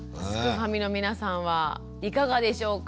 ファミの皆さんはいかがでしょうか？